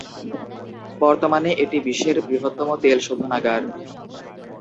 বর্তমানে এটি বিশ্বের বৃহত্তম তেল শোধনাগার।